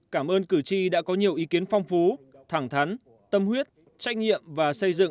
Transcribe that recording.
cảm ơn cử tri đã có nhiều ý kiến phong phú thẳng thắn tâm huyết trách nhiệm và xây dựng